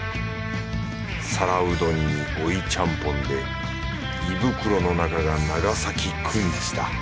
皿うどんに追いちゃんぽんで胃袋の中が長崎くんちだ。